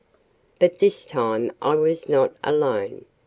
But this time I was not long alone.